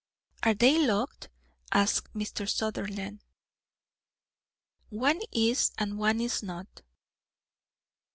"Are they locked?" asked Mr. Sutherland. "One is and one is not."